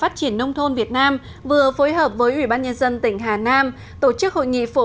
xây dựng thương hiệu vải thanh hà tỉnh hải dương